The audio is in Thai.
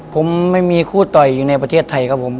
ผมไม่มีคู่ต่อยอยู่ในประเทศไทยครับผม